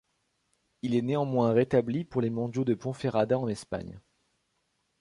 Il est néanmoins rétabli pour les mondiaux de Ponferrada en Espagne.